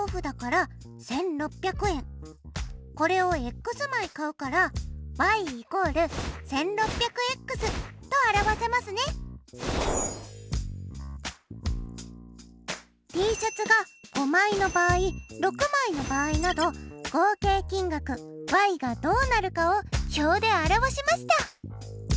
これを枚買うからＴシャツが５枚の場合６枚の場合など合計金額がどうなるかを表で表しました。